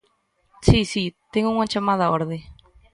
Si, si, ten unha chamada á orde.